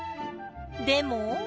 でも。